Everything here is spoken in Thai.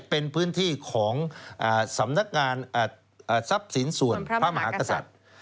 เป็นพื้นที่ของสำนักงานทรัพย์สินส่วนพระมหากษัตริย์